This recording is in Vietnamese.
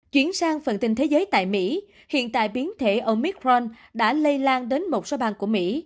chuyển sang phần tin thế giới tại mỹ hiện tại biến thể ở micron đã lây lan đến một số bang của mỹ